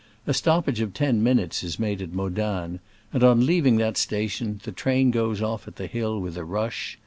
A stoppage of ten minutes is made at Modane, and on leaving that station the train goes off at the hill with a rush.